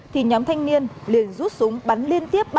thì nhóm thanh niên liền rút súng bắn liên tiếp